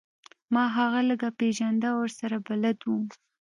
ما هغه لږ پیژنده او ورسره بلد وم